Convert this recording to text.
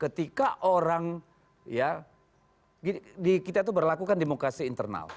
ketika orang ya kita itu berlakukan demokrasi internal